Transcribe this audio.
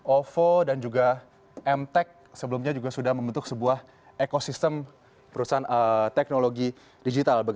ovo dan juga emtek sebelumnya juga sudah membentuk sebuah ekosistem perusahaan teknologi digital